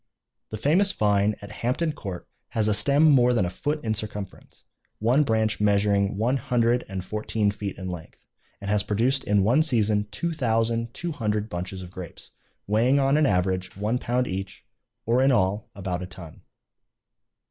The famous vine at Hampton Court has a stem more than a foot in circumference, one branch measuring one hundred and fourteen feet in length, and has produced in one season two thousand two hundred bunches of grapes, weighing on an average one pound each, or in all about a ton.